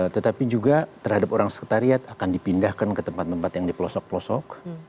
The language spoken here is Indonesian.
tetapi juga terhadap orang sekretariat akan dipindahkan ke tempat tempat yang di pelosok pelosok